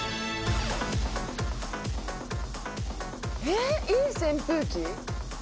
えっいい扇風機？